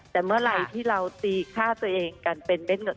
แต่เมื่อไหร่ที่เราตีฆ่าตัวเองกันเป็นเม็ดเงิน